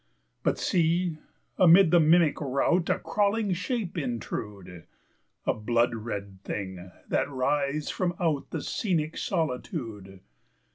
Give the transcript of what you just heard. But see, amid the mimic routA crawling shape intrude!A blood red thing that writhes from outThe scenic solitude!